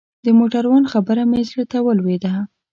د موټروان خبره مې زړه ته ولوېده.